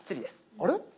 あれ？